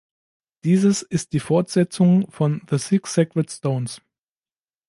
Dieses ist die Fortsetzung von "The Six Sacred Stones".